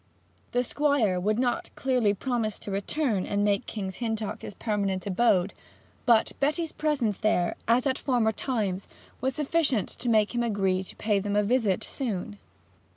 The Squire would not clearly promise to return and make King's Hintock Court his permanent abode; but Betty's presence there, as at former times, was sufficient to make him agree to pay them a visit soon.